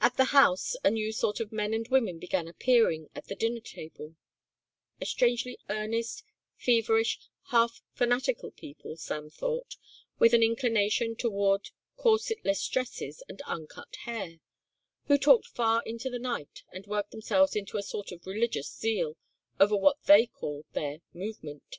At the house a new sort of men and women began appearing at the dinner table; a strangely earnest, feverish, half fanatical people, Sam thought, with an inclination toward corsetless dresses and uncut hair, who talked far into the night and worked themselves into a sort of religious zeal over what they called their movement.